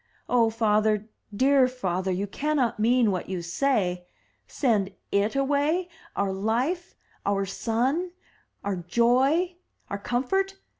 "Oh, father, dear father, you cannot mean what you say? Send // away — our life, our sun, our joy, our comfort?